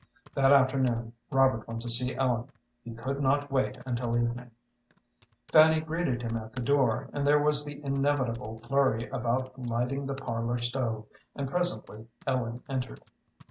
That afternoon Robert went to see Ellen. He could not wait until evening. Fanny greeted him at the door, and there was the inevitable flurry about lighting the parlor stove, and presently Ellen entered.